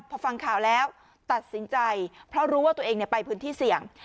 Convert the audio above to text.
พอฟังข่าวแล้วตัดสินใจเพราะรู้ว่าตัวเองไปพื้นที่เสี่ยง